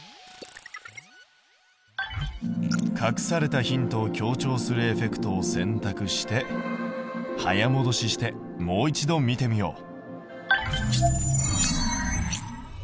隠されたヒントを強調するエフェクトを選択して早もどししてもう一度見てみよう。